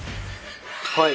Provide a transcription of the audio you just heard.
はい。